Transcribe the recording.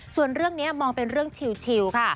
ส่วนเรื่องนี้มองเป็นเรื่องชิลค่ะ